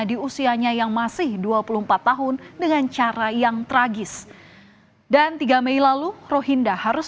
di usianya yang masih dua puluh empat tahun dengan cara yang tragis dan tiga mei lalu rohinda harus